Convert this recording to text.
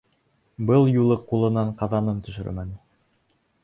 Был юлы ҡулынан ҡаҙанын төшөрмәне.